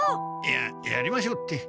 ややりましょうって。